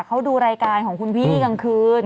เขาดูรายการของคุณพี่กลางคืน